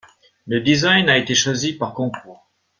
Le design a été choisi par concours.